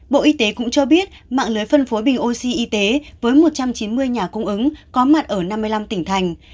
bộ y tế cũng cho biết mạng lưới phân phối bình oxy y tế với một trăm chín mươi nhà cung ứng có mặt ở năm mươi năm tỉnh thành